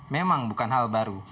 memang bukan hal baru